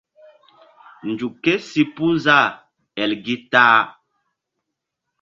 Nzuk kési puh zah el gi ta-a.